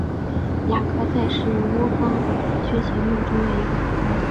鸦科在是鸟纲雀形目中的一个科。